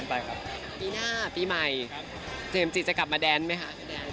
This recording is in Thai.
ปีหน้าปีใหม่เจมส์จิตจะกลับมาแดนซ์ไหมค่ะ